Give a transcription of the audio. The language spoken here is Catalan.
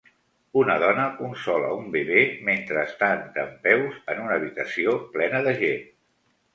Una dona consola un bebè mentre està dempeus en una habitació plena de gent.